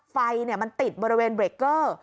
ไฟมันติดบริเวณเบรกเกอร์